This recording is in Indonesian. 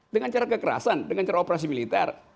dengan cara kekerasan dengan cara operasi militer